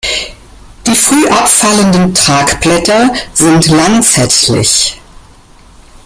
Die früh abfallenden Tragblätter sind lanzettlich.